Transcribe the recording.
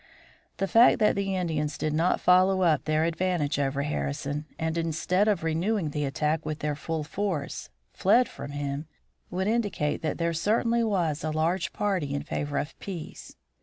The fact that the Indians did not follow up their advantage over Harrison, and instead of renewing the attack with their full force, fled from him, would indicate that there certainly was a large party in favor of peace.